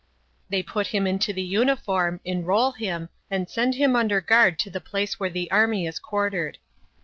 They put him into the uniform, enrol him, and send him under guard to the place where the army is quartered.